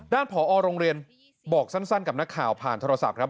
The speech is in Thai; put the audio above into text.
ผอโรงเรียนบอกสั้นกับนักข่าวผ่านโทรศัพท์ครับ